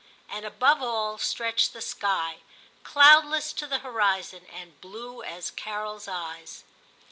And above all stretched the sky, cloudless to the horizon, and blue as Carols eyes.